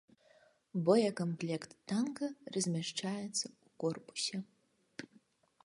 Боекамплект танка размяшчаецца ў корпусе.